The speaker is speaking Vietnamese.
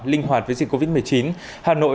linh hoạt với dịch covid một mươi chín hà nội